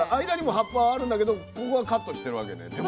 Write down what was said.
間にも葉っぱはあるんだけどここはカットしてるわけね。